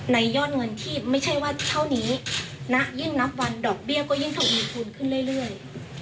ยอดเงินที่ไม่ใช่ว่าเท่านี้ณยิ่งนับวันดอกเบี้ยก็ยิ่งทวีคูณขึ้นเรื่อย